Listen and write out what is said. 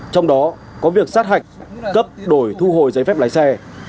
trong đó có việc sát hạch cấp đổi thu hồi giấy phép lái xe